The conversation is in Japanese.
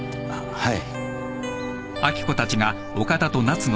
はい。